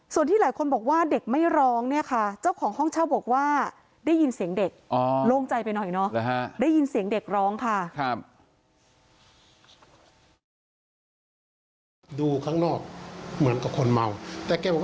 ส่วนที่หลายคนบอกว่าเด็กไม่ร้องเนี่ยค่ะเจ้าของห้องเช่าบอกว่าได้ยินเสียงเด็กโล่งใจไปหน่อยเนาะ